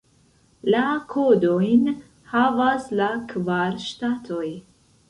La kodojn havas la kvar ŝtatoj.